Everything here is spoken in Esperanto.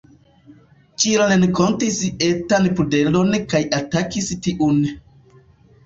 Ĝi renkontis etan pudelon kaj atakis tiun.